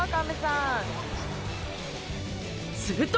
すると！